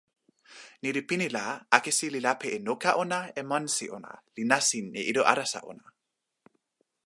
ni li pini la, akesi li lape e noka ona e monsi ona, li nasin e ilo alasa ona.